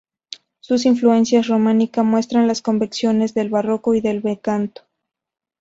Sus influencias romántica muestran las convenciones del Barroco y del bel canto.